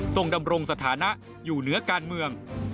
ดำรงสถานะอยู่เหนือการเมือง